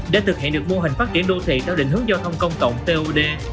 để thực hiện được mô hình phát triển đô thị theo định hướng giao thông công cộng tod